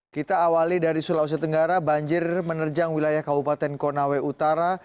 kita awali dari sulawesi tenggara banjir menerjang wilayah kabupaten konawe utara